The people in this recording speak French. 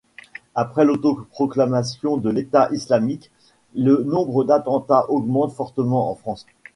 Après l'autoproclamation de l’État islamique, le nombre d'attentats augmente fortement en France.